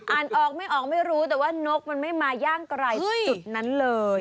อ่านออกไม่ออกไม่รู้แต่ว่านกมันไม่มาย่างไกลจุดนั้นเลย